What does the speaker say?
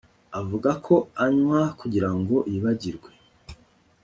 Avuga ko anywa kugirango yibagirwe